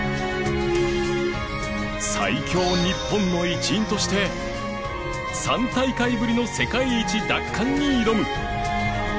最強ニッポンの一員として３大会ぶりの世界一奪還に挑む